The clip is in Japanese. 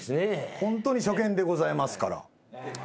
ホントに初見でございますから。